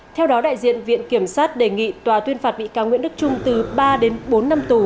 theo đó đại diện viện kiểm sát đề nghị tòa tuyên phạt bị cáo nguyễn đức trung từ ba đến bốn năm tù